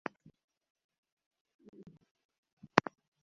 Lengo la ngome hizi za makombora haliwezi kuwa lingine